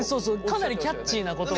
かなりキャッチーなことは。